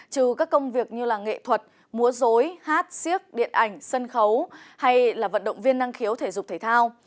trừ các công việc như là nghệ thuật múa dối hát siếc điện ảnh sân khấu hay là vận động viên năng khiếu thể dục thể thao